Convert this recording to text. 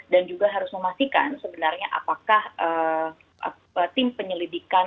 juga harus memastikan sebenarnya apakah tim penyelidikan